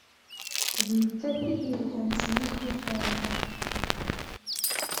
D nettat i d-yelhan s yikufan.